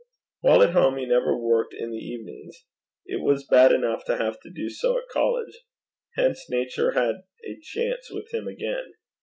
While at home he never worked in the evenings: it was bad enough to have to do so at college. Hence nature had a chance with him again.